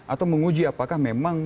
atau menguji apakah memang